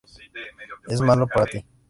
Es malo para ti.